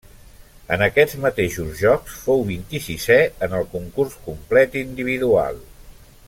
En aquests mateixos Jocs fou vint-i-sisè en el concurs complet individual.